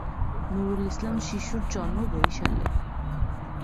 নুরুল ইসলাম শিশুর জন্ম বরিশালে।